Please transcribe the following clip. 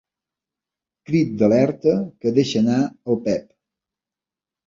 Crit d'alerta que deixa anar el Pep.